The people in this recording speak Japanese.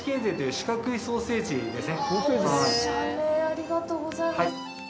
ありがとうございます。